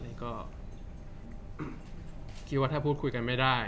จากความไม่เข้าจันทร์ของผู้ใหญ่ของพ่อกับแม่